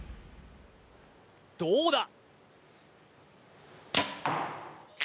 どうだ？